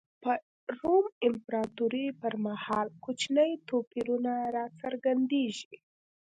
په روم امپراتورۍ پر مهال کوچني توپیرونه را څرګندېږي.